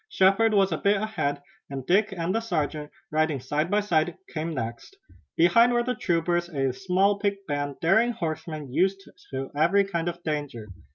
Shepard was a bit ahead, and Dick and the sergeant, riding side by side, came next. Behind were the troopers, a small picked band, daring horsemen, used to every kind of danger.